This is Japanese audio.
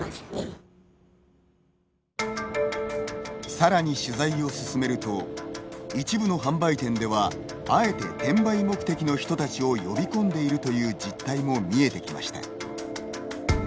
更に取材を進めると一部の販売店ではあえて転売目的の人たちを呼び込んでいるという実態も見えてきました。